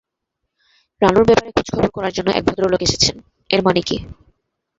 রানুর ব্যাপারে খোঁজখবর করার জন্যে এক ভদ্রলোক এসেছেন-এর মানে কী?